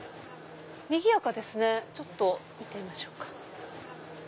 にぎやかですねちょっと見てみましょうか。